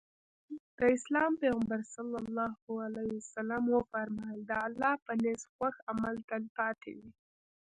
د اسلام پيغمبر ص وفرمايل د الله په نزد خوښ عمل تلپاتې وي.